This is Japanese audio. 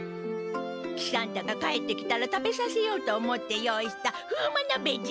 喜三太が帰ってきたら食べさせようと思って用意した風魔鍋じゃ！